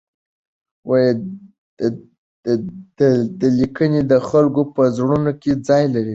د ده لیکنې د خلکو په زړونو کې ځای لري.